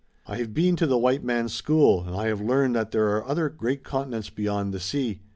I have been to the white man's school and I have learned that there are other great continents beyond the sea.